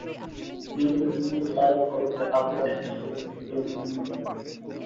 নিহত ব্যক্তিদের মধ্যে তারেক ওরফে আবু রায়হানের স্বজনেরা ডিএনএ নমুনা দেননি।